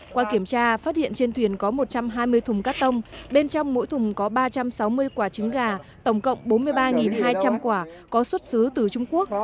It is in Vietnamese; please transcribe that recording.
qua kiểm tra phát hiện trên thuyền có một trăm hai mươi thùng cắt tông bên trong mỗi thùng có ba trăm sáu mươi quả trứng gà tổng cộng bốn mươi ba hai trăm linh quả có xuất xứ từ trung quốc